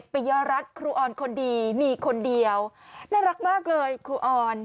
ปิยรัฐครูออนคนดีมีคนเดียวน่ารักมากเลยครูออน